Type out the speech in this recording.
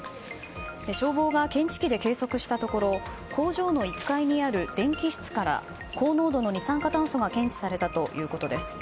消防が検知器で計測したところ工場の１階にある電気室から高濃度の二酸化炭素が検知されたということです。